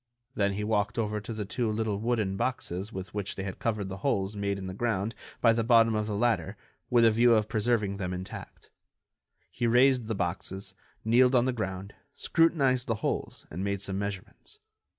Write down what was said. Then he walked over to the two little wooden boxes with which they had covered the holes made in the ground by the bottom of the ladder with a view of preserving them intact. He raised the boxes, kneeled on the ground, scrutinized the holes and made some measurements.